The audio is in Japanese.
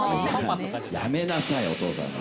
やめなさい、お父さんに。